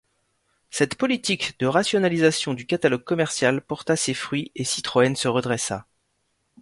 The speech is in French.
Cette politique de rationalisation du catalogue commercial porta ses fruits et Citroën se redressa.